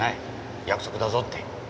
約束だぞって。